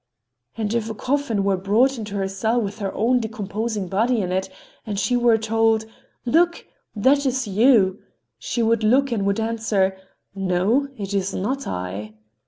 And if a coffin were brought into her cell with her own decomposing body in it, and she were told: "Look! That is you!" She would look and would answer: "No, it is not I."